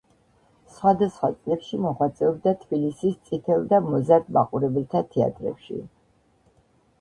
სხვადასხვა წლებში მოღვაწეობდა თბილისის წითელ და მოზარდ მაყურებელთა თეატრებში.